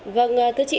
vâng thưa chị